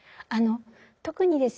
特にですね